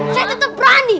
saya tetep berani